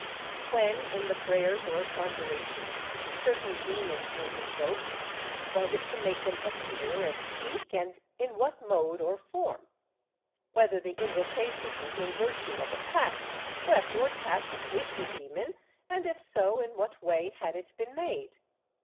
When, in the prayers or conjurations, certain demons were invoked, was it to make them appear and speak and in what mode or form. Whether the invocation was in virtue of a pact, express or tacit, with the demon and, if so, in what way had it been made.